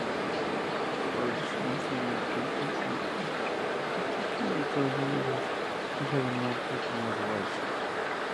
Walsh nació en Kenton County, Kentucky, Estados Unidos, hija de Martha y Thomas Walsh.